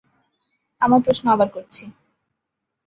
আমার প্রশ্ন আবার করছি।